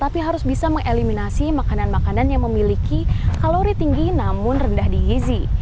tapi harus bisa mengeliminasi makanan makanan yang memiliki kalori tinggi namun rendah di gizi